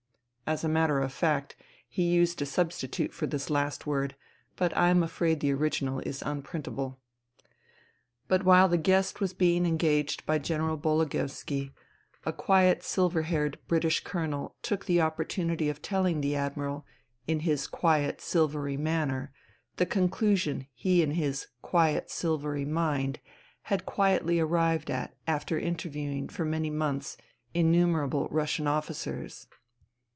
(As a matter of fact, he used a substitute for this last word, but I am afraid the original is unprintable.) But while the guest was being engaged by General Bologoevski, a quiet silver haired British Colonel took the opportunity of telling the Admiral in his quiet silvery manner the conclusion he in his quiet silvery mind had quietly arrived at after interviewing for many months innumerable Russian officers.